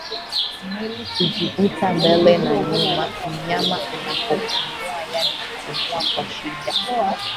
Mwili kujivuta mbele na nyuma mnyama anapopumua yaani kupumua kwa shida